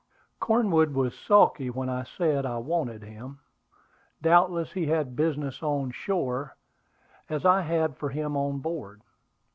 Cornwood was sulky when I said I wanted him. Doubtless he had business on shore, as I had for him on board.